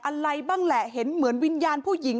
อะไรบ้างแหละเห็นเหมือนวิญญาณผู้หญิง